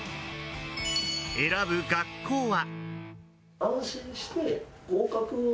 選ぶ学校は。